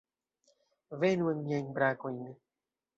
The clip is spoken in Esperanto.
Venu en niajn brakojn!